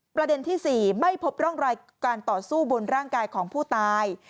ประเด็นที่๔ไม่พบร่องรอยการต่อสู้บนร่างกายของผู้ตาย